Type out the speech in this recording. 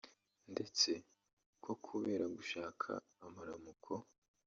ndetse ko kubera gushaka amaramuko